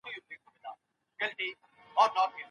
پییر، ناتاشا، اندرې او ماریا مهم اتلان دي.